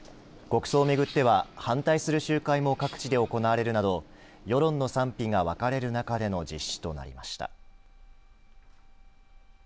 国葬を巡っては反対する集会も各地で行われるなど世論の賛否が分かれる中での実施となりました。